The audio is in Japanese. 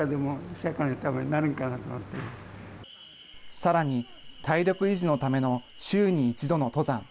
さらに、体力維持のための週に１度の登山。